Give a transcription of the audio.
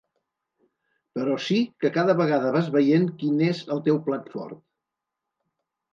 Però sí que cada vegada vas veient quin és el teu plat fort.